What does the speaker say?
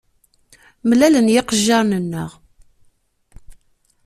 Mlalen yiqejjiren-nneɣ.